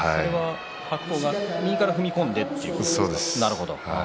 白鵬が右から踏み込んでということですね。